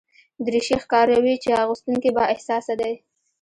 دریشي ښکاروي چې اغوستونکی بااحساسه دی.